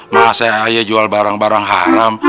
masa ya jual barang barang haram